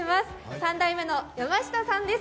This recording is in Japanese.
３代目の山下さんです。